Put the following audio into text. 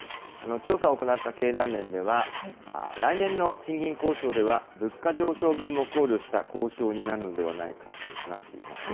調査を行った経団連では、来年の賃金交渉では、物価上昇分も考慮した交渉になるのではないかと話しています。